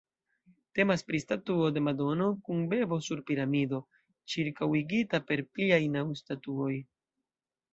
Temas pri statuo de Madono kun bebo sur piramido, ĉirkaŭigita per pliaj naŭ statuoj.